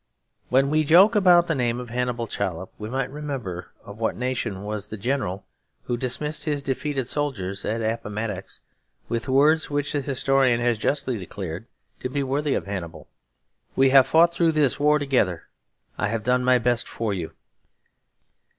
When we joke about the name of Hannibal Chollop, we might remember of what nation was the general who dismissed his defeated soldiers at Appomatox with words which the historian has justly declared to be worthy of Hannibal: 'We have fought through this war together. I have done my best for you.'